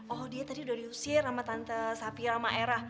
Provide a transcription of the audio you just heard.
oh dia tadi udah diusir sama tante sapira maera